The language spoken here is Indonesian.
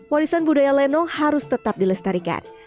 warisan budaya lenong harus tetap dilestarikan